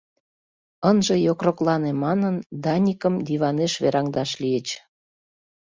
Ынже йокроклане манын, Даникым диванеш вераҥдаш лийыч.